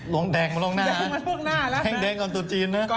ลงแดงมาลงหน้าแดงก่อนตุ๊ดจีนนะ